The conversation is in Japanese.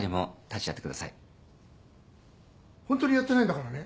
ホントにやってないんだからね。